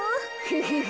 フフフ。